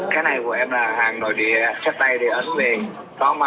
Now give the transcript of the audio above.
cái này của em là hàng nội địa sắp xây thì ấn về